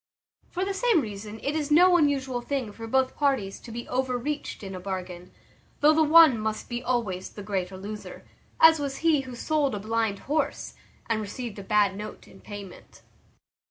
From the same reason it is no unusual thing for both parties to be overreached in a bargain, though the one must be always the greater loser; as was he who sold a blind horse, and received a bad note in payment.